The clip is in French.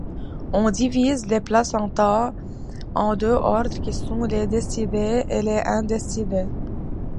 On divise les placentas en deux ordres qui sont les décidués et les indécidués.